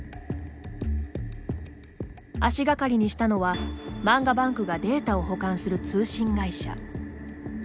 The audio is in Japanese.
足がかりにしたのは漫画ＢＡＮＫがデータを保管する通信会社。